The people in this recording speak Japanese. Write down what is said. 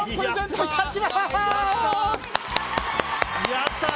やったー！